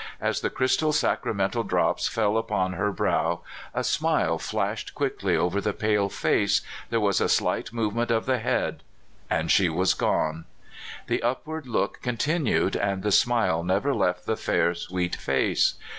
As the crystal sacramental drops fell upon her brow a smile Hashed quickly over the pale face, there was a slight movement of the head — and she was gone ! The upward look continued, and the smile never left the fair, sweet face.